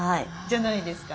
じゃないですか。